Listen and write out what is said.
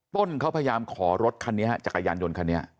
ต้นเขาพยายามขอรถคันนี้ฮะจักรยานยนต์คันนี้